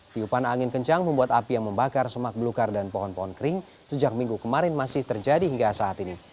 tiupan angin kencang membuat api yang membakar semak belukar dan pohon pohon kering sejak minggu kemarin masih terjadi hingga saat ini